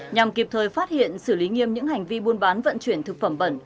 nhằm kịp thời phát hiện xử lý nghiêm những hành vi buôn bán vận chuyển thực phẩm bẩn